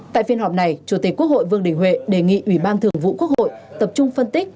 tại phiên họp này chủ tịch quốc hội vương đình huệ đề nghị ủy ban thường vụ quốc hội tập trung phân tích